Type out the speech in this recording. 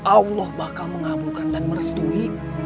allah bakal mengabulkan dan merestui